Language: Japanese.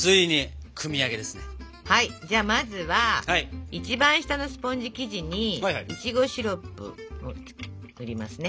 じゃあまずは一番下のスポンジ生地にいちごシロップを塗りますね。